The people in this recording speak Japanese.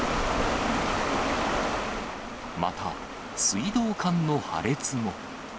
また、水道管の破裂も。